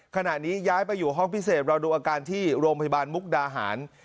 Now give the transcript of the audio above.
ขณะนี้ย้ายไปอยู่ห้องพิเศษรอดูอาการที่โรงพยาบาลมุกดาหาร